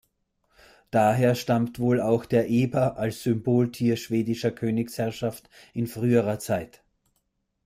Daher stammt wohl auch der Eber als Symboltier schwedischer Königsherrschaft in früherer Zeit.